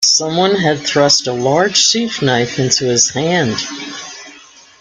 Some one had thrust a large sheath-knife into his hand.